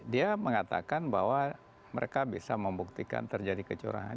dia mengatakan bahwa mereka bisa membuktikan terjadi kecurangan